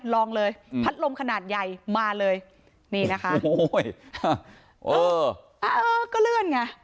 ลองเลยพัดลมขนาดใหญ่มาเลยนี่นะคะโอ้ยเออเออก็เลื่อนไง